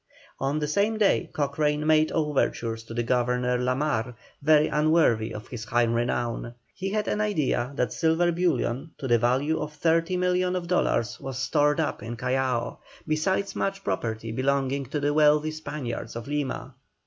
On the same day, Cochrane made overtures to the governor, La Mar, very unworthy of his high renown. He had an idea that silver bullion to the value of thirty millions of dollars was stored up in Callao, besides much other property belonging to the wealthy Spaniards of Lima.